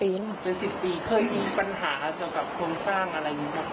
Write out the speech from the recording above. เป็น๑๐ปีเคยมีปัญหาเกี่ยวกับโครงสร้างอะไรอย่างนี้ครับ